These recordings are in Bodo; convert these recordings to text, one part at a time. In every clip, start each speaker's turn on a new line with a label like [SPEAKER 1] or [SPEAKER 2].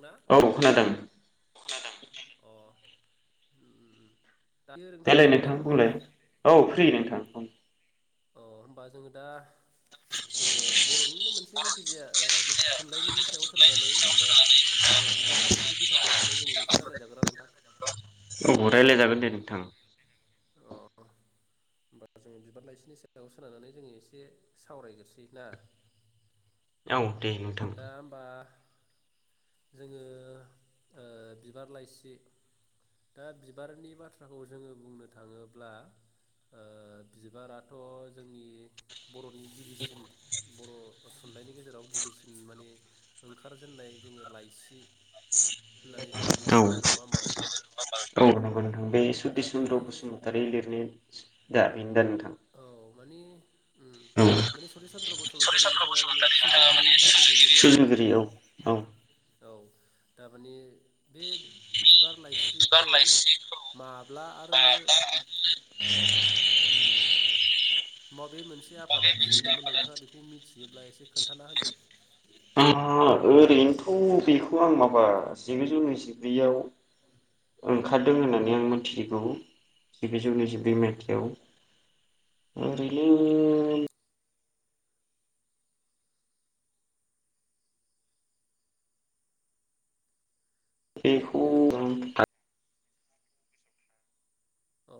[SPEAKER 1] ना
[SPEAKER 2] औ खोनादों।
[SPEAKER 1] अ उम उम
[SPEAKER 2] देलाय नोंथां बुंलाय औ फ्रि नोंथ थां ओम
[SPEAKER 1] अ होमबा जोङो दा जोङो बर'निनो मोनस जेखिजाया ओ थुनलाइनिनि सायाव सोनारनानै जेनेबा ओ बिबार लाइसिखौ बिथा खालामनानै जोंङो एसे रायज्लायजागोना नोंथां?
[SPEAKER 2] औ रायलायजागोन दे नोंथां
[SPEAKER 1] अ होमबा जोङो बिबार लाइसिनि सायाव सोनारनानै जोङो एसे सावरायग्रोसै ना?
[SPEAKER 2] औ दे नोंथां
[SPEAKER 1] दा होमबा जोङो ओ बिबार लाइसि दा बिबारनि बाथ्राखौ जोङो बुंनो थाङोब्ला ओ बिबाराथ' जोंनि बर'नि गिबिसिन बर' थुनलाइनि गेजेराव‌ गिबिसिन माने ओंखारजेन्नाय लायसि होननानै जोङो
[SPEAKER 2] औ
[SPEAKER 1] मिथिनो मोनो नङा होमबा नोंथां?
[SPEAKER 2] औ नंगौ नोंथां बे
[SPEAKER 1] दा
[SPEAKER 2] सति
[SPEAKER 1] बे
[SPEAKER 2] चन्द्र बसुमतारी लिरनाय [inaudible]
[SPEAKER 1] औ माने
[SPEAKER 2] औ
[SPEAKER 1] माने सरत चन्द्र बस [inaudible]
[SPEAKER 2] [inaudible]
[SPEAKER 1] औ थारमाने बे बिबार लाइसिखौ माब्ला आरो ओ [inaudible] बे मोनसे आफादा दिहुनदोंमोन नोंथाङा बेखौ मिथियोब्ला एसे खोन्थाना होदो
[SPEAKER 2] आं ओरैनोथ' बेखौ आं माबा जिगुजौ नैजिब्रैयाव ओंखारदों होननानै आं मिथिगौ। जिगुजौ नैजिब्रै
[SPEAKER 1] औ
[SPEAKER 2] माइथायाव ओरैनो
[SPEAKER 1] उम
[SPEAKER 2] बेखौ
[SPEAKER 1] हेलौ अ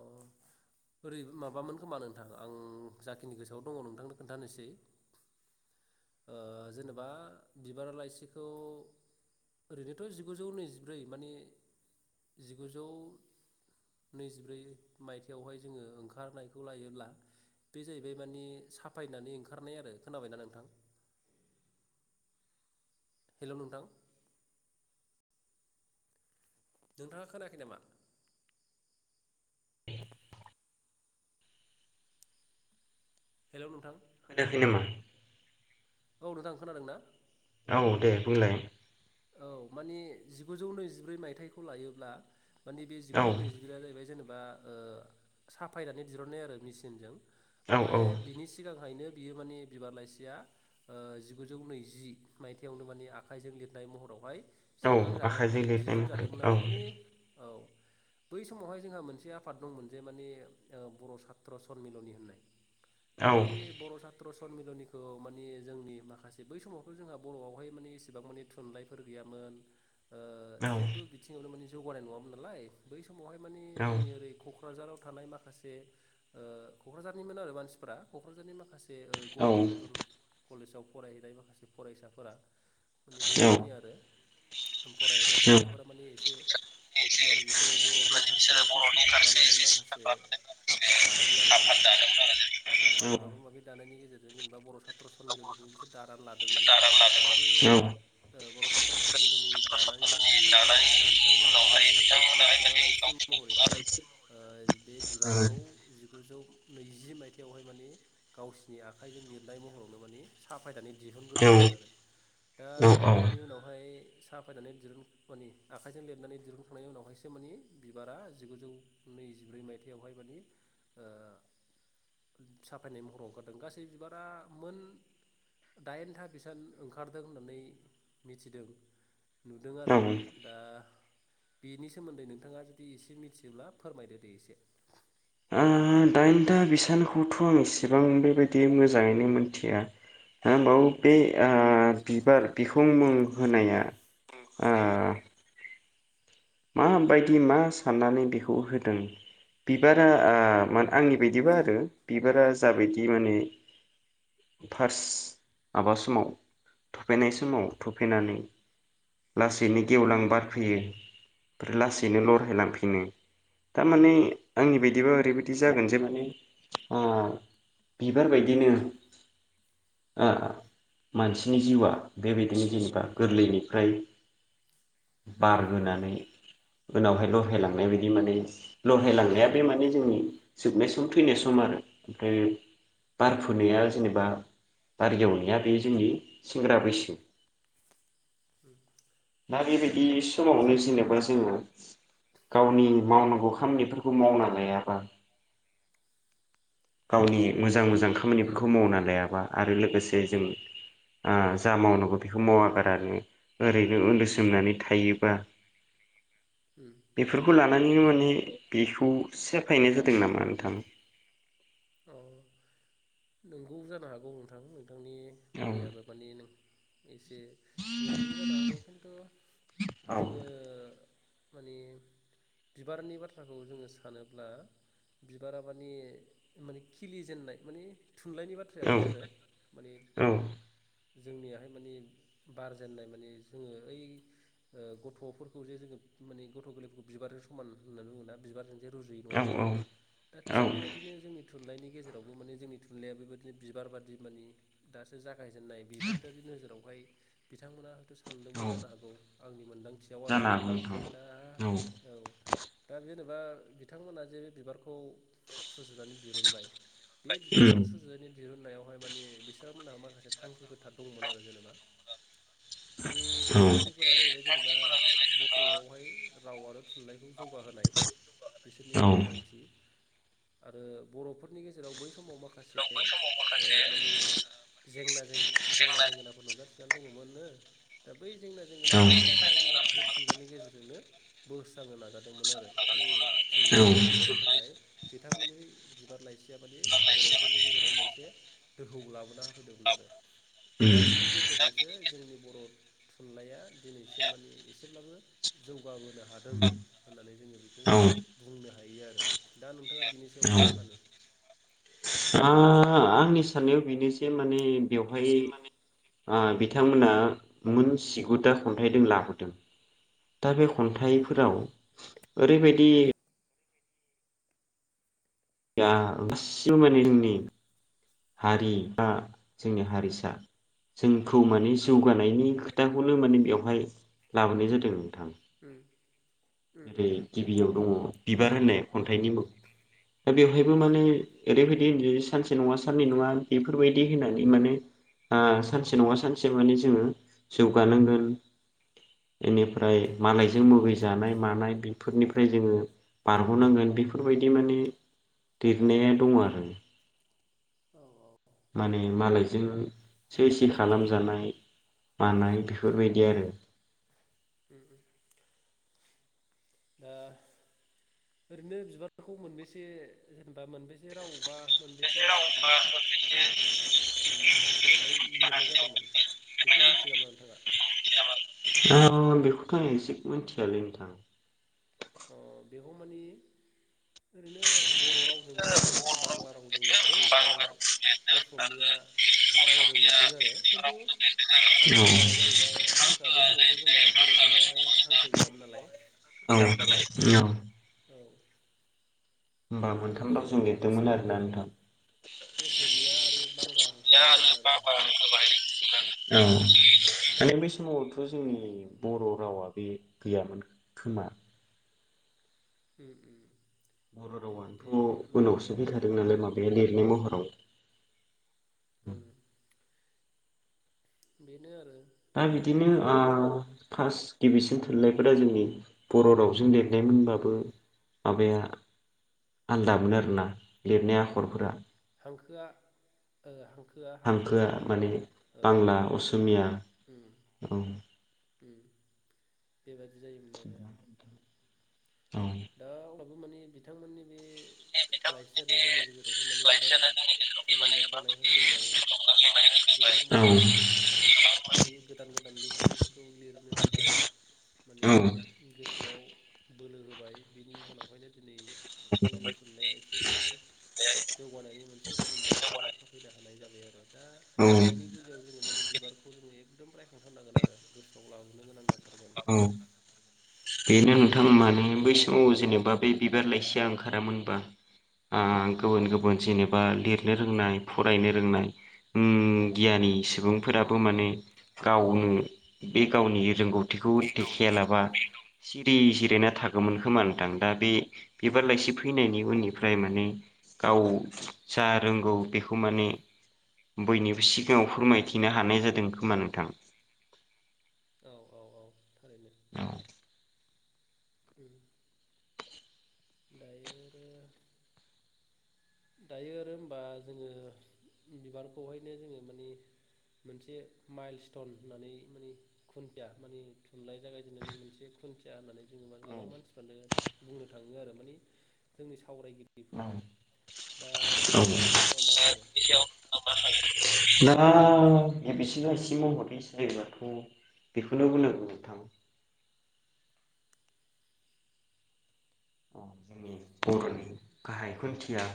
[SPEAKER 1] ओरै माबामोन खोमा नोंथां आं जाखिनि गोसोआव दङ नोंथांनो खोन्थानोसै ओ जेनेबा बिबार लाइसिखौ ओरैनोथ' जिगुजौ नैजिब्रै माने जिगुजौ नैजिब्रै मायथाइयावहाय जोङो ओंखारनायखौ लायोब्ला बे जाहैबाय माने साफायनानै ओंखारनाय आरो खोनाबायना नोंथां? हेल' नोंथां नोंथाङा खोनाखै नामा? हेलौ नोंथां
[SPEAKER 2] खोनायाखै नामा?
[SPEAKER 1] औ नोंथां खोनादों ना?
[SPEAKER 2] औ दे बुंलाय,
[SPEAKER 1] औ माने जिगुजौ नैजिब्रै मायथाइखौ लायोब्ला माने बे
[SPEAKER 2] औ
[SPEAKER 1] जिगुजौ नैजिब्रैया जाहैबाय जोनोम बा ओ साफायनानै दिहुननाय आरो मेसिनजों,
[SPEAKER 2] औ
[SPEAKER 1] ओमफ्राय
[SPEAKER 2] औ
[SPEAKER 1] बिनि सिगांहायनो बियो माने बिबार लाइसिया ओ जिगुजौ नैजि माइथायावनो माने आखाइजों लिर लिरनाय महरावहाय
[SPEAKER 2] औ
[SPEAKER 1] सेबखांजागोन
[SPEAKER 2] आखाइजों
[SPEAKER 1] माने
[SPEAKER 2] लिरनाय महरै
[SPEAKER 1] दिहुनजादोंमोन
[SPEAKER 2] औ
[SPEAKER 1] आरो माने औ बै समावहाय जोंहा मोनसे आफाद दंमोन जे माने बर' सात्र सनमिलनि होननाय
[SPEAKER 2] औ
[SPEAKER 1] बै बर' साथ्र सनमिलनि खौ माने जोंनि माखासे बै समावथ' जोंहा बर'आवहाय माने एसेबां मानि थुनलाइफोर गैयामोन ओ जेबो बिथिङावनो माने जौगानाय नङामोन नालाय बै समावहाय माने
[SPEAKER 2] औ
[SPEAKER 1] जोंनि ओरै क'क्राझार थानाय माखासे ओ क'क्राझारनिमोन आरो मानसिफोरा क'क्राझारनि माखासे जे गुवाहाटि कटन कलेजाव फरायहैनाय माखासे फरायसाफोरा मानि बै
[SPEAKER 2] औ
[SPEAKER 1] समनि आरो फरायैनाय फरायसाफोरा माने एसे माने बिसोरो बर'नि फारसे
[SPEAKER 2] बिसोरो
[SPEAKER 1] एसे
[SPEAKER 2] बर'नि
[SPEAKER 1] सिन्था
[SPEAKER 2] फारसे
[SPEAKER 1] खालामनानै
[SPEAKER 2] एसे सिन्था
[SPEAKER 1] माखासे
[SPEAKER 2] खालामनानै
[SPEAKER 1] आफाद दादोंमोन आरो
[SPEAKER 2] आफाद
[SPEAKER 1] जेनेबा
[SPEAKER 2] दादोंमोन
[SPEAKER 1] आफाद
[SPEAKER 2] आरो
[SPEAKER 1] माबा माबि दानायनि गेजेरजों जेनेबा बर' साथ्र सनमिनखौ बिसोर दानानै लादोंमोन दा बे
[SPEAKER 2] जों
[SPEAKER 1] बर' सााथ्र' सनमिलननि दानायनि उनावहाय
[SPEAKER 2] दानायनि
[SPEAKER 1] बिथांमोनाहाय
[SPEAKER 2] उनावहाय
[SPEAKER 1] माने गावसोरनि
[SPEAKER 2] बिथांमोनाहाय
[SPEAKER 1] खुगा
[SPEAKER 2] माने
[SPEAKER 1] लाइसिम महरैहाय
[SPEAKER 2] गावसिनि
[SPEAKER 1] बे ओ बिबारखौ गुजौ नैजि मायथाइावहाय माने गावसिनि आखाइजों लिरनाय महरावनो माने साफायनानै दिहुन ग्रोदोंमोन
[SPEAKER 2] औ औ
[SPEAKER 1] आरो दा उनावहाय साफायनानै दिहुनगौ मानि आखाइजों लिरनानै दिहुनखांनायनि उनावहायसो मानि बिबारा जिगुजौ नैजिब्रै मायथाइयावहाय मान ओ साफायनाय महराव ओंखारदों गासै बिबारा मोन दाइनथा बेसबां ओंखारदों होननानै मिथिदों नुदों आरो
[SPEAKER 2] औ औ
[SPEAKER 1] दा बेनि सोमोन्दै नोंथाङा जुदि एसे मिथियोब्ला फोरमायदो दे एसे
[SPEAKER 2] ओम दाइनथा बिसानखौथ' आं इसेबां बेबायदि मोजाङैनो मिथिया [unintelligible] बे ओ बिबार बिखुं मुं होनाया
[SPEAKER 1] मुं
[SPEAKER 2] ओ
[SPEAKER 1] होनाया
[SPEAKER 2] माबायदि मा साननानै बेखौ होदों बिबारा ओ आंनि बायदिबा आरो बिबारा जाबायदि माने फार्स्ट माबा समाव थफेनाय समाव थफेनानै लासैनो गेवलां बारफैयो लासैनो लरहायलांफिनो थारमाने आंनि बायदिबा ओरैबायदि जागोन जे माने बिबार बादिनो मानसिनि जिउआ बेबायदिनो
[SPEAKER 1] स्निजि
[SPEAKER 2] जेनेबा गोरलैनि फ्राइ
[SPEAKER 1] उम
[SPEAKER 2] बारबोनानै उनावहाय लह्रायलांनाय बायदि माने लह्रायलांनाया बे माने जोंनि जोबनाय सम थैनाय सम आरो ओमफ्राय
[SPEAKER 1] उम
[SPEAKER 2] बार फुनाया जेनेबा बागेवनाया बे जोंनि सेंग्रा बैसो
[SPEAKER 1] उम
[SPEAKER 2] माबादि बे समावनो जेनेबा जोङो गावनि मावनांगौ खामानिफोरखौ मावना लायाबा गावनि मोजां मोजां खामानिफोरखौ मावना लायाबा आरो लोगोसे जों ओ जा मावनांगौ बेखौ मावागारानो ओरै जों उन्दुसोमनानै थायोबा
[SPEAKER 1] उम
[SPEAKER 2] बेफोरखौ लानानै माने बेखौ सेफायनाय जादों नामा नोंथां [unintelligible]
[SPEAKER 1] अ नंगौ जानो हागौ नोंथां नोंथांनि
[SPEAKER 2] औ
[SPEAKER 1] बुंनायाबो माने नों एसे बेबायादिबो जानो हागौ खिन्थु
[SPEAKER 2] औ
[SPEAKER 1] जोंङो माने बिबारनि बाथ्राखौ जोंङो सानोब्ला बिबारा माने माने खिलि जेेननाय मानिे थुनलाइनि
[SPEAKER 2] औ
[SPEAKER 1] बाथ्रायावहाय आरो माने जोंनियाहाय माने बारजेननाय माने जोंङो ओइ गथ'फोरखौ जे जोङो माने गथ' गोरलैफोरखौ बिबारजों समान होननानै बुंङो बिबारजों रुजुयो नङा
[SPEAKER 2] औ
[SPEAKER 1] होमबा दा
[SPEAKER 2] औ
[SPEAKER 1] थिग बेबायदिनो थुलाइनि गेजेरावबो माने जोंनि थुनलाइ बेबायदिनो बिबार बाद मानि दासो [unintelligible] गायजेननाय बेफोरबायि नोजोरावहाय बिथांमोना हयथ' सान्दोंबो
[SPEAKER 2] औ
[SPEAKER 1] जानो हागौ आंनि मोनदांथियाव आरो
[SPEAKER 2] जानो हागौ नोंथां औ
[SPEAKER 1] दा औ दा बे सोरबा बिथांमोना जे बे बिबारखौ सुजुनानै जिरनबाय बे बिबारखौ सुजुनायनि दिहुननायावहाय माने बिसोनहा मा माखासे थांखिफोरोथार दंमोन आरो जेनेबा दा बे थांखिफोरा जाहैबाय जेनेबा बर'आवहाय राव आरो थुनलाइखौ जौगाहोनाय बिसोरनि
[SPEAKER 2] औ
[SPEAKER 1] गुबै थांखि आरो बर'फोरनि गेजेराव बै समाव माखासे
[SPEAKER 2] बै समाव माखासे
[SPEAKER 1] मान जेंना जेंना जेंगोनाफोर नुजाथि बि दङमोननो दा [unintelligible] बै जेंना
[SPEAKER 2] औ
[SPEAKER 1] जेंगोनाफोरखौ माने बिथांमोना बे थुनलाइनि गेजेरजोंनो बोस्रांनो नाजादोंमोन आरो मानि थुनलाइ
[SPEAKER 2] आंनि
[SPEAKER 1] सोरजिनायनि थाखाय बिथांमोननि बिबार लाइसिया माने बर'फोरनि गेजेराव मोनसे दोहौ लाबोना होफैदोंमोन आरो दा बिनि गेजेरजोंसो जोंनि बर' थुनलाइया दिनैसिम माने एसेब्लाबो जौगाबो नो हादों होननानै जोंङो बेखौ बुंनो हायो आरो दा नों थाङा बेनि सायाव मा सानो?
[SPEAKER 2] ओ आंनि साननायाव बेनो जे माने बे बेवहाय
[SPEAKER 1] बेनोसै माने
[SPEAKER 2] आ बिथांमोना मोन जिगु था खन्थाइजों लाबोदों। दा बे
[SPEAKER 1] औ
[SPEAKER 2] खन्थाइफोराव ओरैबायदि [unintelligible] हारि बा जोंनि हारिसा जोंखौ माने जौगानायनि खोथाखौनो माने बेवहाय लाबोनाय जादों जेरै गिबियाव दङ बिबार होन्नाय खन्थाइनि मुं, दा बेवहायबो माने ओरैबायदि सानसे नङा साननै नङा बेफोरबायदि होन्नानै माने ओ सानसे नङा सानसे माने जोङो जौगानांगोन बेनिफ्राय मालायजों मुगै जानाय मानाय बेफोरनिफ्राय जोङो बारग'नांगोन बेफोरबायदि माने लिरनाया दं आरो‌।
[SPEAKER 1] औ औ।
[SPEAKER 2] माने मालायजों सै सै खालामजानाय मानाय
[SPEAKER 1] औ
[SPEAKER 2] बेफोरबायदि आरो।
[SPEAKER 1] उम उम। दा ओरैनो बिबारफोरखौ मोनबेसे बा मोनबेसे राव बा मोनबेसे भाषायावहाय लिरनाय जादोंमोन बेखौ मिथियो नामा नोंथाङा?
[SPEAKER 2] आं बेखौथ' दिनैसिम मोनथियालै नोंथां।
[SPEAKER 1] अ बेखौ मानि ओरैनो बर' रावजों लिरदों बांला रावजों लिरदों आरो असमिया रावजों लिरदों आरो खिन्थु हांखोआ जाहैबाय हांखोआ बे समावथ' जोंना बर'फोरावहाय हांखो गैयामोन नालाय
[SPEAKER 2] औ औ।
[SPEAKER 1] औ
[SPEAKER 2] होमबा मोनथाम
[SPEAKER 1] बेखायनो
[SPEAKER 2] रावजों
[SPEAKER 1] माने
[SPEAKER 2] लिरदोंमोन
[SPEAKER 1] बिसोरो
[SPEAKER 2] आरोना नोंथां?
[SPEAKER 1] असमिया आरो बांला हांखो बाहायदोंमोन आरो
[SPEAKER 2] औ माने बै समावथ' जोंनि बर' रावा बे गैयामोन खोमा?
[SPEAKER 1] उम उम।
[SPEAKER 2] बर'
[SPEAKER 1] बेबायदि
[SPEAKER 2] रावआनोथ'
[SPEAKER 1] माबा
[SPEAKER 2] उनावसो
[SPEAKER 1] गैयामोन औ
[SPEAKER 2] फैखादों नालाय माबाया लिरनाय महर औ।
[SPEAKER 1] उम। बेनो आरो।
[SPEAKER 2] दा बिदिनो ओ फार्स्ट गिबिसिन थुनलाइफोरा जोंनि बर' रावजों लिरनायमोनबाबो माबाया आलदामोन आरोना लिरनाय आखरफोरा।
[SPEAKER 1] हांखोआ ओ हांखो
[SPEAKER 2] हांखोआ माने बांला असमिया
[SPEAKER 1] उम
[SPEAKER 2] औ।
[SPEAKER 1] बेबायादि जायोमोन आरो
[SPEAKER 2] औ
[SPEAKER 1] दा अब्लाबो मानिे बिथांमोननि बे लाइसियानो जोंनि गेजेरावहाय
[SPEAKER 2] औ
[SPEAKER 1] माने
[SPEAKER 2] औ
[SPEAKER 1] गोबां थुलुंगाखांनाय होफैबाय गोबां माने बे गोदान गोदान लिरगिरिफोरखौ लिरनो थाखाय माने गोसोआव बोलो होबाय। बिनि जाहोनावहायनो दिनै जोंनि थुनलाइया एसेब माने जौगानायनि मोनसे गुबुन दांख्लायाव गाखोफैनो हानाय जाबाय आरो दा बिनि गुजायाव जोङो माने बिबारखौ जोङो एकदम रायखांथारनांगोन आरो गोसोआव लाबोनो गोनां जागोन।
[SPEAKER 2] औ।
[SPEAKER 1] दा
[SPEAKER 2] बेनो नोंथां
[SPEAKER 1] बिथांमोना
[SPEAKER 2] माने
[SPEAKER 1] बेनि
[SPEAKER 2] बै
[SPEAKER 1] गेजेरजोंहाय
[SPEAKER 2] समाव
[SPEAKER 1] माने
[SPEAKER 2] जेनेबा बे बिबार लाइसिया ओंखारामोनबा अ। गुबुन गुबुन जेनेबा लिर लिरनो रोंनाय फरायनो रोंनाय उम। गियानि सुबुंफोराबो माने गावनो बे गावनि रोंगौ थिखौ
[SPEAKER 1] बे
[SPEAKER 2] देखाया
[SPEAKER 1] गावनि
[SPEAKER 2] लाबा सिरि जि देना थागौमोन
[SPEAKER 1] उम
[SPEAKER 2] खोमा नोंथां दा बे बिबार लाइसिफो फैनायनि
[SPEAKER 1] औ
[SPEAKER 2] उननिफ्राय माने गाव जा रोंगौ बेखौ माने बयनिबो सि सिगाङाव
[SPEAKER 1] उम
[SPEAKER 2] फोरमायथिनो हानाय जादों खोमानो। थां।
[SPEAKER 1] औ। औ औ थारैनो
[SPEAKER 2] औ।
[SPEAKER 1] उम। दायोे आरो दायो आरो होमबा जोङो बिबारखौहायनो जोङो माने मोनसे माइल स्टन होननानै माने खुन्थिया माने थुनलाइ जागायजेननानै मोनसे खुन्थिया होननानै। जेनेबा
[SPEAKER 2] औ
[SPEAKER 1] गोबां मानसिफ्रानो बुंनो थाङ बिदिनो आरो माने जोंनि सावरायगि
[SPEAKER 2] औ। औ
[SPEAKER 1] सायाव नोंथाङा मा सानो
[SPEAKER 2] [unintelligible] दा गिबिसिना एसे मावहरै सोयोबाथ बेखौनो बुंनांगो नोंथां। अ जोंनि बरनि गाहाय खुन्थिया।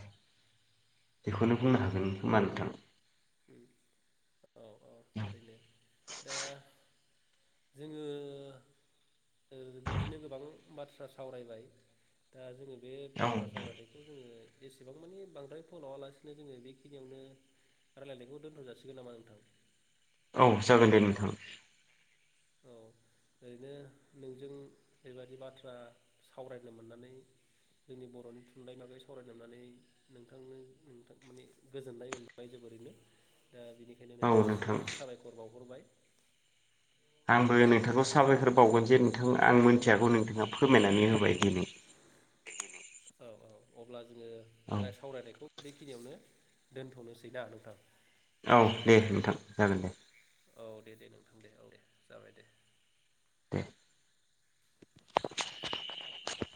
[SPEAKER 2] बेखौनो
[SPEAKER 1] उम
[SPEAKER 2] बुंनो हागोन खोमा नोंथां?
[SPEAKER 1] औ औ थारैनो दा जोङो ओ बिदिनो गोबां बाथ्रा सावरायबाय दा जोङो। बे
[SPEAKER 2] औ
[SPEAKER 1] बाथ्रा सावरायनायखौ जोङो। जेसेबां मानि बांद्राय फोलावालासिनो जोङो बेखिनियावनो रायलायनायखौ दोनथ जासिगोन नामा नोंथां?
[SPEAKER 2] औ जागोन दे नोंथां।
[SPEAKER 1] औ ओरैनो नोंजों बेबायदि बाथ्रा सावरायनो मोननानै जोंनि बरनि थुनलाइ बागै सावरायनो मोननानै नोंथांनो नोंथां माने गोजोननाय मोनबाय जोबोरैनो। दा बेनिखायनो
[SPEAKER 2] औ नोंथां
[SPEAKER 1] नोंथांनिसिम साबायखर बावहरबाय।
[SPEAKER 2] आंबो नोंथांखौ साबायखर बावगोन जे नोंथां आं मोनथियागौ नोंथाङा फोरमायनानै होबाय दिनै।
[SPEAKER 1] औ औ अब्ला।
[SPEAKER 2] औ
[SPEAKER 1] जोङो सावरायनायखौ बेखिनियावनो दोनथ'नोसै दा नोंथां।
[SPEAKER 2] औ दे नोंथां जागोन दे।
[SPEAKER 1] औ दे दे नोंथां दे औ दे जाबाय दे।
[SPEAKER 2] [inaudible]